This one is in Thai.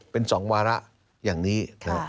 เป็น๒วาระอย่างนี้